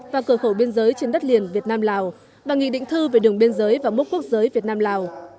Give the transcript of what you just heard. và cửa khẩu biên giới trên đất liền việt nam lào và nghị định thư về đường biên giới và mốc quốc giới việt nam lào